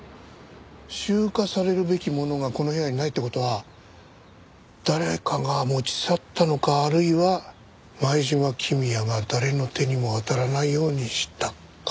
集荷されるべきものがこの部屋にないって事は誰かが持ち去ったのかあるいは前島公也が誰の手にも渡らないようにしたか。